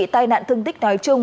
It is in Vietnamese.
tài nạn thương tích nói chung